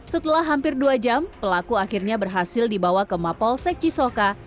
setelah hampir dua jam pelaku akhirnya berhasil dibawa ke mapolsek cisoka